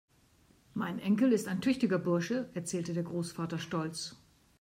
Mein Enkel ist ein tüchtiger Bursche, erzählte der Großvater stolz.